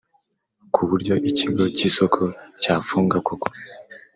ku buryo Ikigo cy isoko cyafunga koko